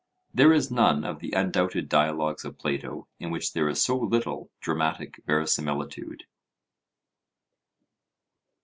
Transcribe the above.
There is none of the undoubted dialogues of Plato in which there is so little dramatic verisimilitude.